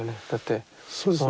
そうですね。